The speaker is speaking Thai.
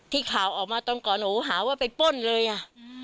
ข่าวออกมาตอนก่อนหนูหาว่าไปป้นเลยอ่ะ